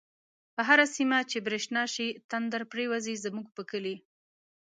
په هره سیمه چی برشنا شی، تندر پریوزی زمونږ په کلی